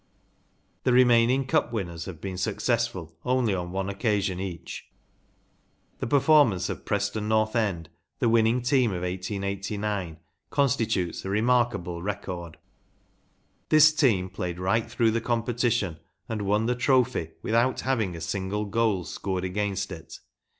The remaining Cup winners have been successful only on one occasion each. The performance of Preston North End, the win¬ ning team of 1889, constitutes a remarkable record. This team played right through the competition and won the trophy without having a single goal scored against it.